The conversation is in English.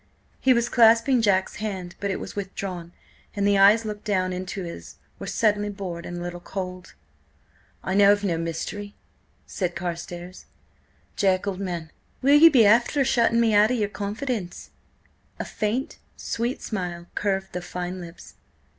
He was clasping Jack's hand, but it was withdrawn, and the eyes looking down into his were suddenly bored and a little cold. "I know of no mystery," said Carstares. "Jack, old man, will ye be afther shutting me out of your confidence?" A faint, sweet smile curved the fine lips.